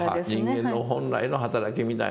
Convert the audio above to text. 人間の本来の働きみたいなものを。